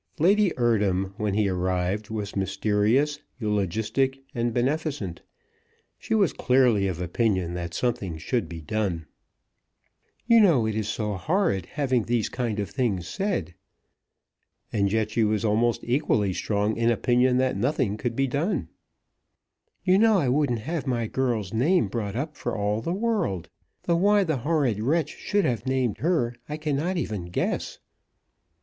Lady Eardham when he arrived was mysterious, eulogistic, and beneficent. She was clearly of opinion that something should be done. "You know it is so horrid having these kind of things said." And yet she was almost equally strong in opinion that nothing could be done. "You know I wouldn't have my girl's name brought up for all the world; though why the horrid wretch should have named her I cannot even guess."